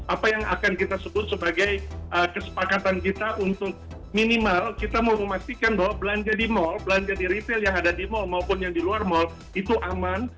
apa yang akan kita sebut sebagai kesepakatan kita untuk minimal kita mau memastikan bahwa belanja di mall belanja di retail yang ada di mal maupun yang di luar mal itu aman